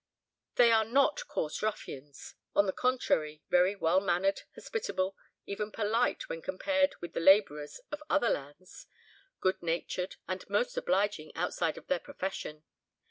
They are not coarse ruffians—on the contrary very well mannered, hospitable, even polite, when compared with the labourers of other lands; good natured, and most obliging, outside of their 'profession.